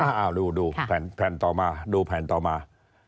เอ้ารู้ดูแผ่นต่อมา